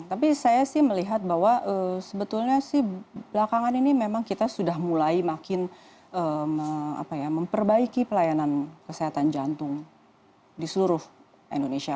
tapi saya sih melihat bahwa sebetulnya sih belakangan ini memang kita sudah mulai makin memperbaiki pelayanan kesehatan jantung di seluruh indonesia